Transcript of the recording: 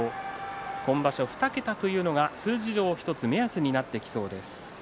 今場所２桁というのが数字上１つの目安になってきそうです。